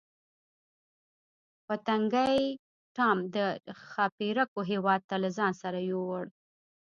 پتنګې ټام د ښاپیرکو هیواد ته له ځان سره یووړ.